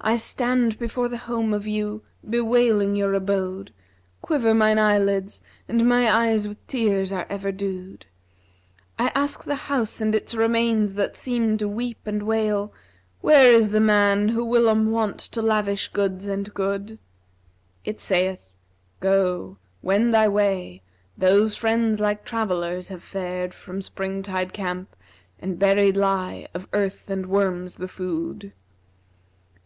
I stand before the home of you, bewailing your abode; * Quiver mine eyelids and my eyes with tears are ever dewed: I ask the house and its remains that seem to weep and wail, * 'Where is the man who whilom wont to lavish goods and good?'' It saith, 'Go, wend thy way; those friends like travellers have fared * From Springtide camp, and buried lie of earth and worms the food!'